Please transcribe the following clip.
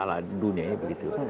masalah dunianya begitu